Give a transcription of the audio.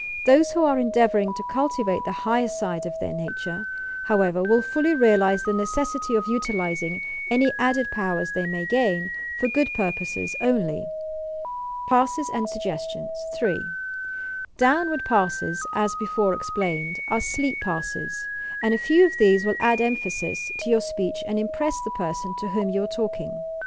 Those who are endeavouring to cul tivate the higher aide of their nature, however, will fully realize the necessity of utilizing any added powers they may gain for good purposes only. PASSES AND SUOQESTIOHB 3. Downward passes, as before explained, are sleepi passes, and a few of these will add emphasis to yonr 1 270 YOUR PSYCHIC POWERS speech and impress the person to whom you are talk ing.